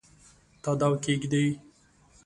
تاداو کښېږدي